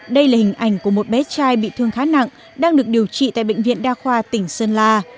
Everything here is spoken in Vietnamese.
đây là hình ảnh của một bé trai bị thương khá nặng đang được điều trị tại bệnh viện đa khoa tỉnh sơn la